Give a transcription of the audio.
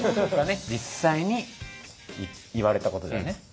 実際に言われたことだよね？